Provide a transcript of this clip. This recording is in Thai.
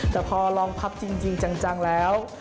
แต่พอลองพับจริงจังแล้ว